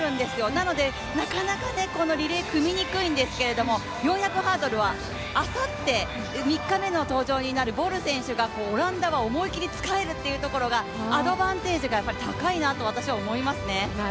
なので、なかなかリレー、組みにくいんですけれども、４００ハードルはあさって、３日目の登場になるボル選手をオランダが思い切り使えるというところがアドバンテージが高いなと私は思いますね。